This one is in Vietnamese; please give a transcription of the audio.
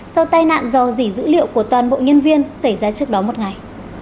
sau tai nạn do dỉ dữ liệu của toàn bộ nhân viên xảy ra trước đó một ngày